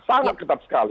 sangat ketat sekali